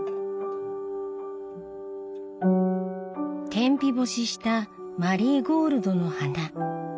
天日干ししたマリーゴールドの花。